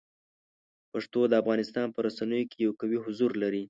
پښتو د افغانستان په رسنیو کې یو قوي حضور لري.